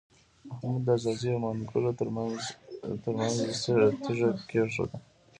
احمد د ځاځيو او منلګو تر منځ تيږه کېښوده.